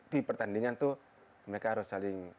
di pertandingan itu mereka harus saling